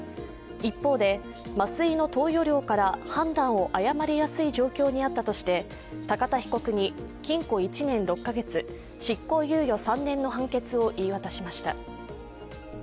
一方で、麻酔の投与量から判断を誤りやすい状況にあったとして、高田被告に禁錮１年６カ月、執行猶予３年の判決を言い渡しました。